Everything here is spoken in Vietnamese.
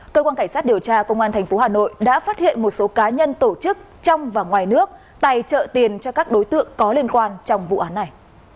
cơ quan cảnh sát điều tra công an tp hà nội đã phát hiện một số cá nhân tổ chức trong và ngoài nước tài trợ tiền cho các đối tượng có liên quan trong vụ án này